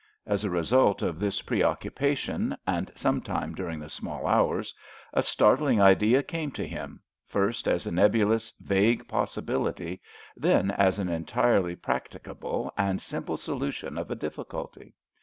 As a result of this preoccupation, and some time during the small hours, a startling idea came to him, first as a nebulous, vague possibility, then as an entirely practicable and simple solution of a difficulty.